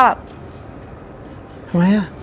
ทำยังไง